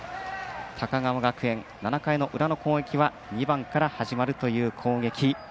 高川学園、７回の裏の攻撃は２番から始まるという攻撃。